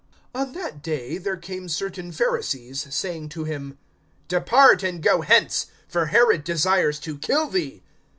(31)On that day there came certain Pharisees, saying to him: Depart, and go hence; for Herod desires to kill thee.